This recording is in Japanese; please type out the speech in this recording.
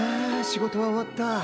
仕事は終わった。